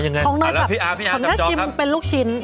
ของหน่อยแบบขออนุญาตชิมเป็นลูกชิ้น